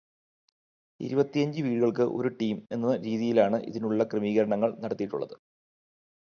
ഇരുപത്തിയഞ്ചു വീടുകള്ക്ക് ഒരു ടീം എന്ന രീതിയിലാണ് ഇതിനുള്ള ക്രമീകരണങ്ങള് നടത്തിയിട്ടുള്ളത്.